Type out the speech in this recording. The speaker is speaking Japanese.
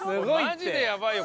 マジでやばいよ